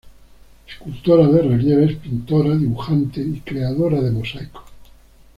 Escultora de relieves, pintora, dibujante y creadora de mosaicos.